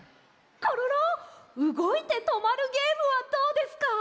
コロロうごいてとまるゲームはどうですか？